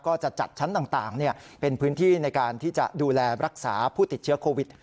ก็จะจัดชั้นต่างเป็นพื้นที่ในการที่จะดูแลรักษาผู้ติดเชื้อโควิด